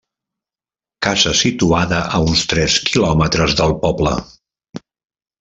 Casa situada a uns tres quilòmetres del poble.